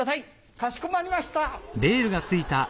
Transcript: かしこまりました！